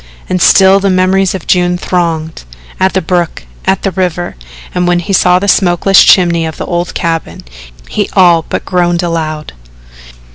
And still the memories of June thronged at the brook at the river and when he saw the smokeless chimney of the old cabin, he all but groaned aloud.